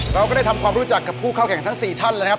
เราก็ได้ทำความรู้จักกับผู้เข้าแข่งทั้ง๔ท่านแล้วนะครับ